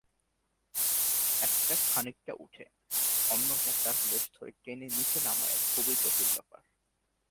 একটা খানিকটা ওঠে, অন্যটা তার লেজ ধরে টেনে নিচে নামায়া-খুবই জটিল ব্যাপার।